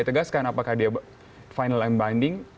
ditegaskan apakah dia final and binding